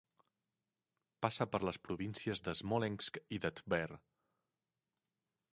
Passa per les províncies de Smolensk i de Tver.